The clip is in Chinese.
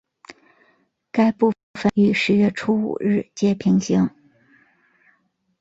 该部份与十月初五日街平行。